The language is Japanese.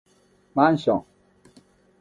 マンション